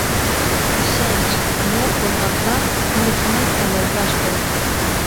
ئىشەنچ، نىيەت بولغاندىلا تىلىكىڭىز ئەمەلگە ئاشىدۇ.